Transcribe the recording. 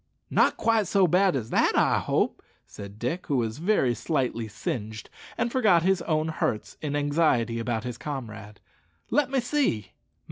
"Not quite so bad as that, I hope," said Dick, who was very slightly singed, and forgot his own hurts in anxiety about his comrade. "Let me see."